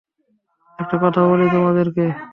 একটা কথা বলি তোমাদেরকে?